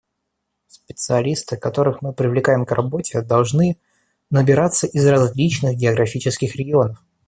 Специалисты, которых мы привлекаем к работе, должны набираться из различных географических регионов.